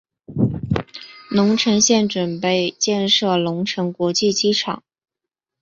隆城县准备建设隆城国际机场。